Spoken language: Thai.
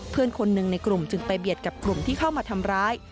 เพื่อนคนหนึ่งในกลุ่มจึงไปเบียดกับกลุ่มที่เข้ามาทำร้าย